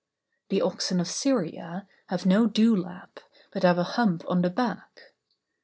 The oxen of Syria have no dewlap, but have a hump on the back.